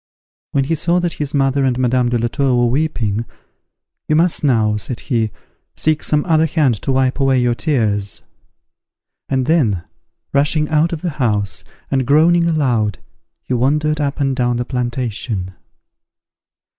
'" When he saw that his mother and Madame de la Tour were weeping, "You must now," said he, "seek some other hand to wipe away your tears;" and then, rushing out of the house, and groaning aloud, he wandered up and down the plantation.